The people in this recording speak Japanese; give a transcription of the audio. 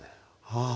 ああ！